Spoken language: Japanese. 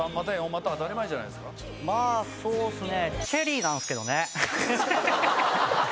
まぁそうっすね。